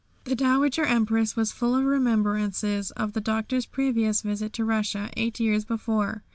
The Dowager Empress was full of remembrances of the Doctor's previous visit to Russia, eight years before.